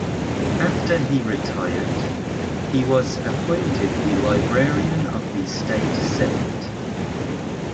After he retired, he was appointed the librarian of the state senate.